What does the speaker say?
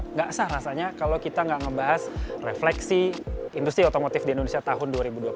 nggak sah rasanya kalau kita nggak ngebahas refleksi industri otomotif di indonesia tahun dua ribu dua puluh